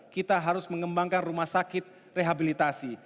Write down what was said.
kita harus mengembangkan rumah sakit rehabilitasi